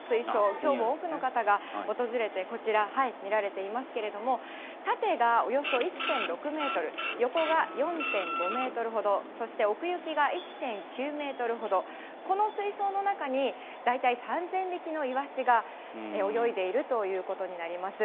きょうも多くの方が訪れて、こちら、見られていますけれども、縦がおよそ１．６メートル、横が４．５メートルほど、そして奥行きが１．９メートルほど、この水槽の中に、大体３０００匹のイワシが泳いでいるということになります。